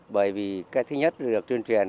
bởi vì cái thứ nhất được truyền truyền